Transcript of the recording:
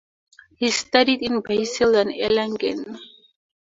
He studied in Basel and Erlangen.